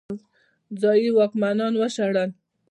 ځايي واکمنان وشړل.